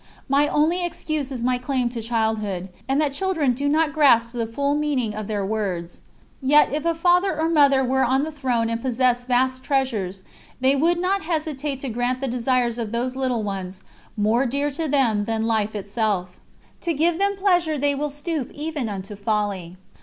My only excuse is my claim to childhood, and that children do not grasp the full meaning of their words. Yet if a father or mother were on the throne and possessed vast treasures, they would not hesitate to grant the desires of those little ones, more dear to them than life itself. To give them pleasure they will stoop even unto folly.